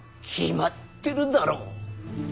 決まってるだろ。